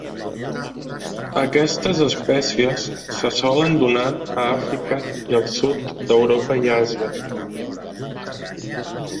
Aquestes espècies se solen donar a Àfrica i el sud d'Europa i Àsia.